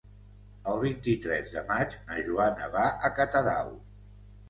El vint-i-tres de maig na Joana va a Catadau.